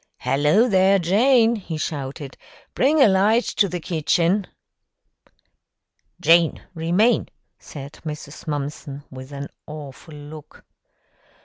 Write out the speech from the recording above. "Hello, there, Jane!" he shouted, "bring a light to the kitchen." "Jane, remain!" said Mrs. Mumpson, with an awful look.